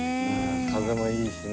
風もいいしね。